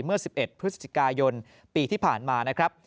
เมื่อ๑๑พฤศจิกายนปีที่ผ่านมานะครับ